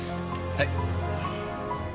はい。